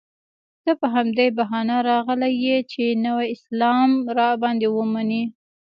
ته په همدې بهانه راغلی یې چې نوی اسلام را باندې ومنې.